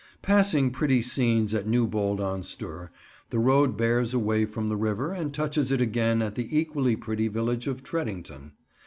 Passing pretty scenes at Newbold on Stour, the road bears away from the river and touches it again at the equally pretty village of Tredington.